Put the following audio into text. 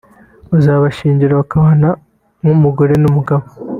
bazabashyingira bakabana nk’umugabo n’umugore